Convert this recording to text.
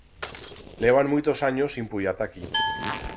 Levan muitos anyos sin puyar ta aquí.